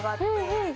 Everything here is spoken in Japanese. はい。